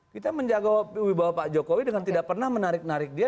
kita menjaga wibawa pak jokowi dengan tidak pernah menarik narik dia